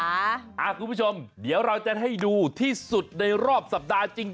คุณผู้ชมเดี๋ยวเราจะให้ดูที่สุดในรอบสัปดาห์จริง